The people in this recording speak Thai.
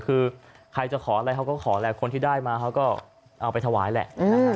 คือใครจะขออะไรเขาก็ขอแหละคนที่ได้มาเขาก็เอาไปถวายแหละ